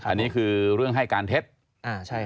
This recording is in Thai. อันนี้คือเรื่องให้การเท็จ